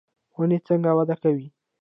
ونې څنګه وده کوي؟